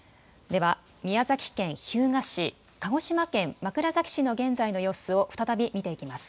では、宮崎県日向市、鹿児島県枕崎市の現在の様子を再び見ていきます。